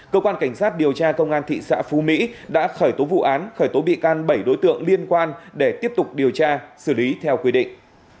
cơ quan cảnh sát điều tra công an thị xã phú mỹ đã khởi tố vụ án khởi tố bị can bảy đối tượng liên quan để tiếp tục điều tra xử lý theo quy định